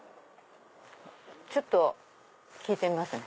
ちょっと聞いてみますね。